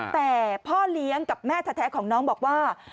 แต่พ่อเลี้ยงกับแม่แท้ของน้องบอกว่า